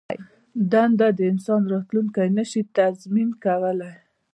دنده د انسان راتلوونکی نه شي تضمین کولای.